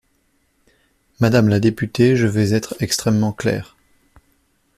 Madame la députée, je vais être extrêmement clair.